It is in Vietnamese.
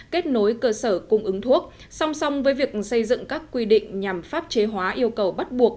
kết nối cơ sở cung ứng thuốc song song với việc xây dựng các quy định nhằm pháp chế hóa yêu cầu bắt buộc